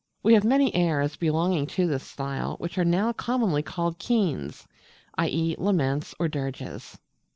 We have many airs belonging to this style, which are now commonly called Keens, i.e., laments, or dirges.